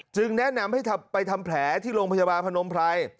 แนะนำให้ไปทำแผลที่โรงพยาบาลพนมไพร